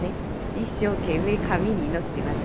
一生懸命神に祈ってます。